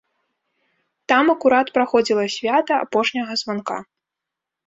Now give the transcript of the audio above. Там акурат праходзіла свята апошняга званка.